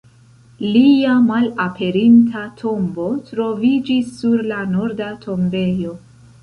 Lia malaperinta tombo troviĝis sur la Norda tombejo.